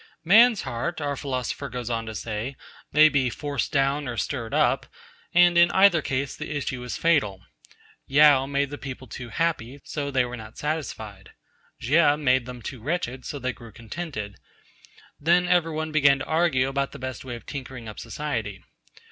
Man's heart, our philosopher goes on to say, may be 'forced down or stirred up,' and in either case the issue is fatal. Yao made the people too happy, so they were not satisfied. Chieh made them too wretched, so they grew discontented. Then every one began to argue about the best way of tinkering up society.